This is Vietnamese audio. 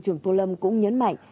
bộ trưởng tô lâm cũng nhấn mạnh